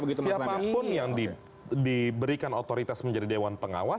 siapapun yang diberikan otoritas menjadi dewan pengawas